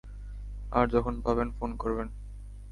আর যখন পাবেন, ফোন করবেন।